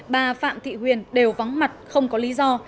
bà phạm thị huyền đều vắng mặt không có lý do